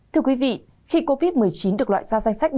thưa quý vị khi covid một mươi chín được loại ra danh sách